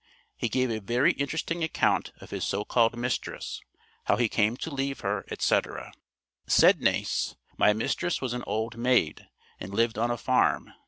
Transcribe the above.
He gave a very interesting account of his so called mistress, how he came to leave her, etc. Said Nace: "My mistress was an old maid, and lived on a farm.